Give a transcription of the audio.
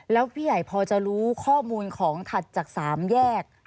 แล้วพี่ใหญ่พอจะรู้ข้อมูลของถัดจาก๓แยก